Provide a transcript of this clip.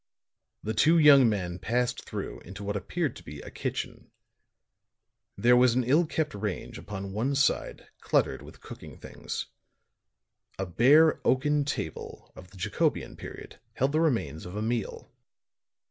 The two young men passed through into what appeared to be a kitchen. There was an ill kept range upon one side cluttered with cooking things. A bare oaken table of the Jacobean period held the remains of a meal.